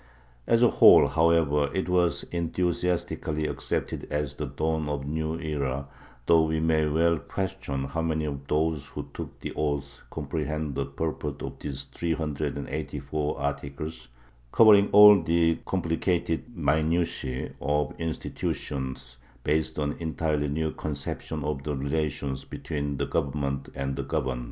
As a whole, however, it was enthusiastically accepted as the dawn of a new era, though we may well question how many of those who took the oath comprehended the purport of its three hundred and eighty four articles, covering all the comphcated minutiae of institutions based on an entirely new conception of the relations between the Government and the governed.